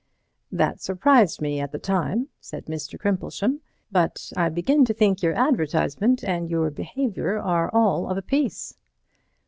"That surprised me at the time," said Mr. Crimplesham, "but I begin to think your advertisement and your behaviour are all of a piece."